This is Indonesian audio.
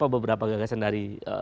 beberapa gagasan dari